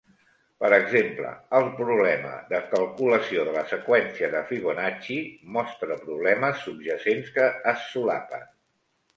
Per exemple, el problema de calculació de la seqüència de Fibonacci mostra problemes subjacents que es solapen.